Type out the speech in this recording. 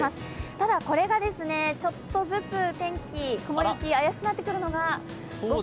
ただ、これがちょっとずっと天気、雲行き怪しくなってくるのが午後。